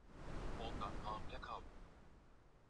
huo wa urais unaweza ukafanyika wakati chini